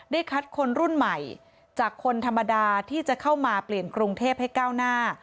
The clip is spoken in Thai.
คัดคนรุ่นใหม่จากคนธรรมดาที่จะเข้ามาเปลี่ยนกรุงเทพให้ก้าวหน้า